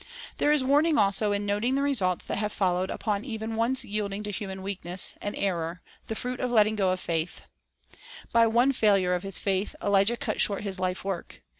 There is warning also in noting the results that have followed upon even once yielding to human weakness and error, the fruit of the letting go of faith. Bible Biographies 151 By one failure of his faith, Elijah cut short his life work.